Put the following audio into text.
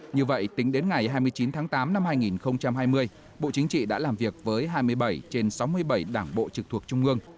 như vậy tính đến ngày hai mươi chín tháng tám năm hai nghìn hai mươi bộ chính trị đã làm việc với hai mươi bảy trên sáu mươi bảy đảng bộ trực thuộc trung ương